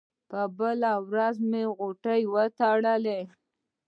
په بله ورځ مې غوټې وتړلې.